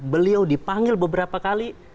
beliau dipanggil beberapa kali